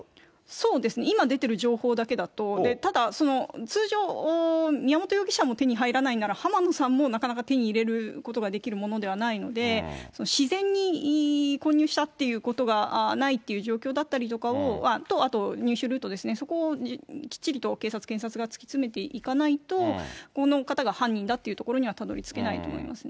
そうですね、今出ている状況だけだと、ただ通常、宮本容疑者も手に入らないなら、浜野さんもなかなか手に入れることができるものではないので、自然に混入したっていうことがないっていう状況だったりとかと、あと、入手ルートですね、そこをきっちりと警察、検察が突き詰めていかないと、この方が犯人だっていうところにはたどりつけないと思いますね。